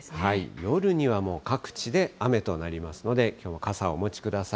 夜にはもう各地で雨となりますので、きょうは傘をお持ちください。